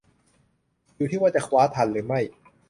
อยู่ที่ว่าจะคว้าทันหรือไม่